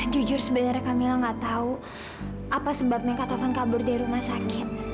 jujur sebenarnya kamila gak tau apa sebabnya taufan kabur dari rumah sakit